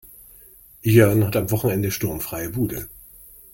Jörn hat am Wochenende sturmfreie Bude.